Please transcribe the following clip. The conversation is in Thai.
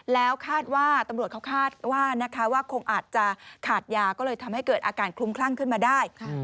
แล้วคาดว่าตำรวจเขาคาดว่านะคะว่าคงอาจจะขาดยาก็เลยทำให้เกิดอาการคลุมคลั่งขึ้นมาได้